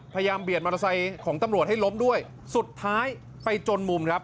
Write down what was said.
เบียดมอเตอร์ไซค์ของตำรวจให้ล้มด้วยสุดท้ายไปจนมุมครับ